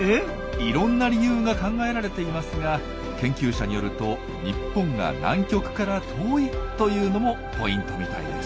いろんな理由が考えられていますが研究者によると日本が南極から遠いというのもポイントみたいです。